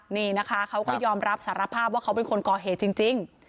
นี่นะคะเขาก็ยอมรับสารภาพว่าเขาเป็นคนก่อเหตุจริง